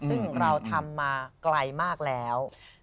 ซึ่งเราทำมาไกลมากแล้ว